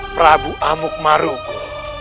prabu amuk maruku